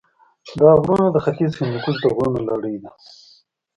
دا غرونه د ختیځ هندوکش د غرونو لړۍ ده.